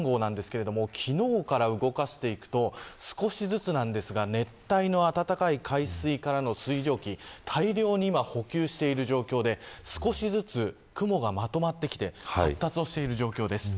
この台風３号なんですが昨日から動かしていくと少しずつ熱帯の暖かい海水からの水蒸気が大量に補給している状況で少しずつ雲がまとまってきて発達をしている状況です。